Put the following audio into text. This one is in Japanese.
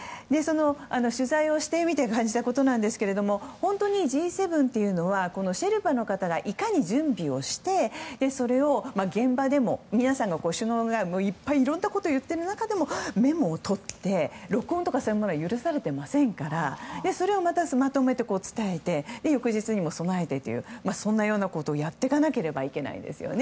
取材をしてみて感じたことなんですけれども本当にＧ７というのはシェルパの方がいかに準備をしてそれを現場でも皆さんが首脳がいっぱいいろんなことを言っている中でもメモを取って録音とかは許されていませんからそれをまとめて伝えて翌日にも備えてというそんなようなことをやっていかなければいけないんですよね。